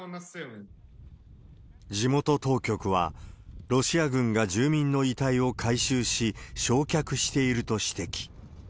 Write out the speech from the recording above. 地元当局は、ロシア軍が住民の遺体を回収し、焼却していると指摘。